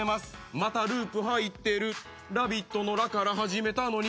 またループ入ってる「ラヴィット！」の「ラ」から始めたのに。